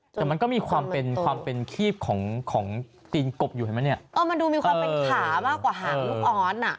แต่มันก็มีความเป็นขี้บของตีนกบอยู่เห็นมั้ยเนี่ยมันดูมีความเป็นขามากกว่าหางลูกออสน่ะ